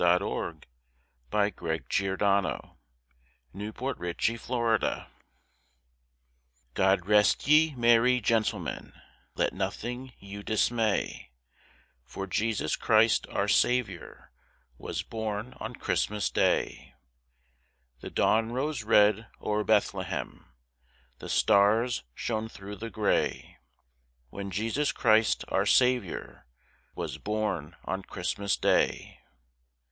H. Hopkins, Jr._ GOD REST YE, MERRY GENTLEMEN God rest ye, merry gentlemen; let nothing you dismay, For Jesus Christ, our Saviour, was born on Christmas day. The dawn rose red o'er Bethlehem, the stars shone through the gray, When Jesus Christ, our Saviour, was born on Christmas day.